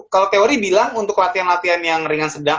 kalau teori bilang untuk latihan latihan yang ringan sedang